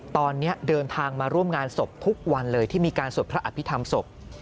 ตอนนี้เดินทางมาร่วมงานศพทุกวันเลยที่มีการสวดพระอภิษฐรรมศพ